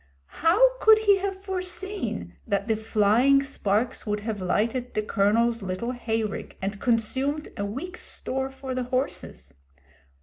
How could he have foreseen that the flying sparks would have lighted the Colonel's little hay rick and consumed a week's store for the horses?